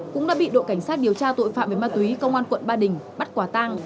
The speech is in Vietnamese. cũng đã bị đội cảnh sát điều tra tội phạm về ma túy công an quận ba đình bắt quả tang